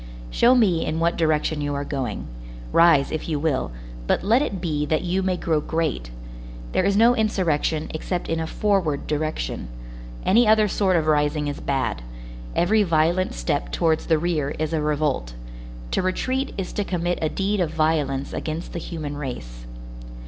Show me in what direction you are going. Rise, if you will, but let it be that you may grow great. There is no insurrection except in a forward direction. Any other sort of rising is bad; every violent step towards the rear is a revolt; to retreat is to commit a deed of violence against the human race.